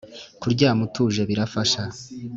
kuryama utuje birafasha